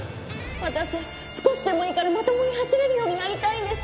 私少しでもいいからまともに走れるようになりたいんです。